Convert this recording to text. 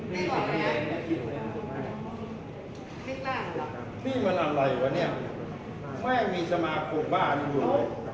ไม่ต้องนี่มันอะไรวะเนี้ยไม่มีสมาคมบ้านอยู่เลย